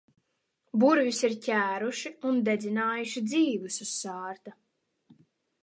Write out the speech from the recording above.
Burvjus ir ķēruši un dedzinājuši dzīvus uz sārta.